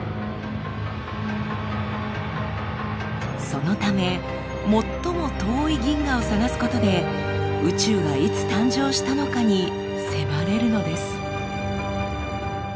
そのため最も遠い銀河を探すことで宇宙がいつ誕生したのかに迫れるのです。